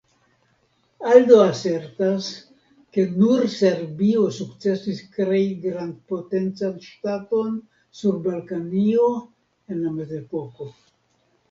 Aldo asertas, ke nur Serbio sukcesis krei grandpotencan ŝtaton sur Balkanio en la mezepoko.